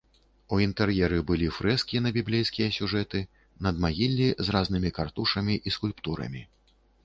У інтэр'еры былі фрэскі на біблейскія сюжэты, надмагіллі з разнымі картушамі і скульптурамі.